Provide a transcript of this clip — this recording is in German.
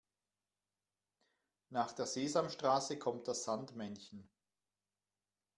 Nach der Sesamstraße kommt das Sandmännchen.